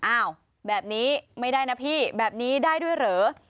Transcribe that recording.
อ้าวแบบนี้ไม่ได้นะพี่แบบนี้ได้ด้วยเหรอ